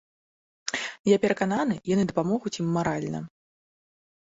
Я перакананы, яны дапамогуць ім маральна.